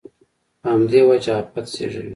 په همدې وجه افت زېږوي.